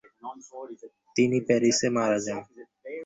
তিনি প্যারিসে মারা যান।